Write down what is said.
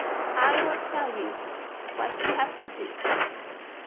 I will tell you what you have to do.